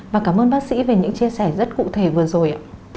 và cảm ơn bác sĩ về những chia sẻ rất cụ thể vừa rồi ạ